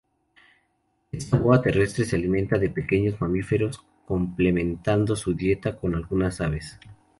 Esta boa terrestre se alimenta de pequeños mamíferos, complementando su dieta con algunas aves.